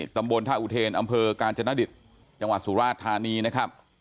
ตำบลท่าอุเทนอำเภอกาญจนดิตจังหวัดสุราชธานีนะครับ